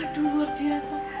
aduh luar biasa